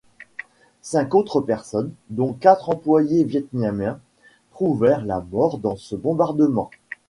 Cinq autres personnes, dont quatre employés vietnamiens, trouvèrent la mort dans ce bombardement.